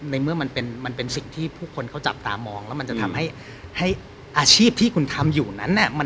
ในเมื่อมันเป็นสิ่งที่ผู้คนเขาจับตามองแล้วมันจะทำให้อาชีพที่คุณทำอยู่นั้น